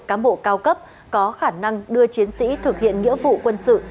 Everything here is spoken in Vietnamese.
cán bộ cao cấp có khả năng đưa chiến sĩ thực hiện nghĩa vụ quân sự